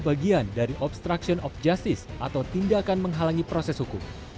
bagian dari obstruction of justice atau tindakan menghalangi proses hukum